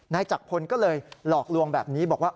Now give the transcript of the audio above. จักรพลก็เลยหลอกลวงแบบนี้บอกว่า